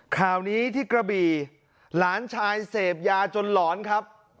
ข่าวนี้ที่กระบี่หลานชายเสพยาจนหลอนครับ